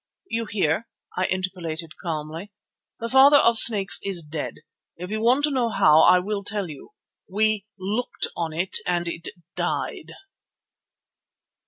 "You hear," I interpolated calmly. "The Father of Snakes is dead. If you want to know how, I will tell you. We looked on it and it died."